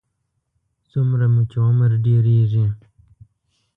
څومره مو چې عمر ډېرېږي.